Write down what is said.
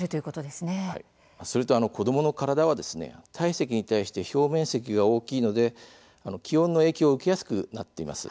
それと子どもの体は体積に対して表面積が大きいので気温の影響を受けやすくなっています。